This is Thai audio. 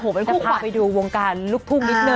มันจะพาไปดูวงการลูกทุ่งนิดนึ